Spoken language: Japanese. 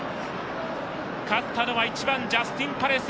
勝ったのは１番ジャスティンパレス。